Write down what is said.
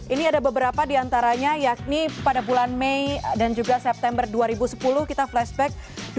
ini ada beberapa diantaranya yakni pada bulan mei dan juga september dua ribu sepuluh kita flashback dua ribu dua puluh